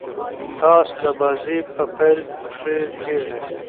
ټاس د بازۍ په پیل کښي کیږي.